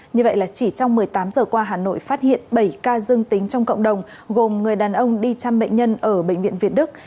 như vậy là chỉ trong một mươi tám giờ qua hà nội phát hiện bảy ca dương tính trong cộng đồng gồm người đàn ông đi chăm bệnh nhân ở bệnh viện việt đức